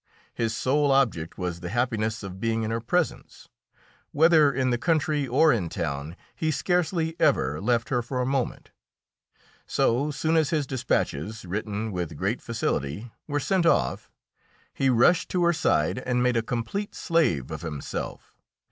His sole object was the happiness of being in her presence; whether in the country or in town, he scarcely ever left her for a moment. So soon as his despatches, written with great facility, were sent off, he rushed to her side and made a complete slave of himself.